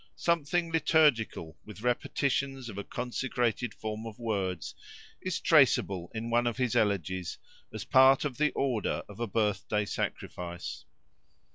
Something liturgical, with repetitions of a consecrated form of words, is traceable in one of his elegies, as part of the order of a birthday sacrifice.